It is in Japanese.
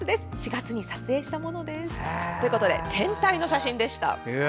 ４月に撮影したものですということで天体の写真でした。